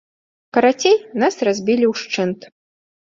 Карацей, нас разбілі ўшчэнт.